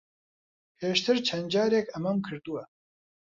پێشتر چەند جارێک ئەمەم کردووە.